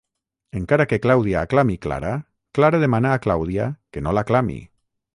Encara que Clàudia aclami Clara, Clara demana a Clàudia que no l'aclami.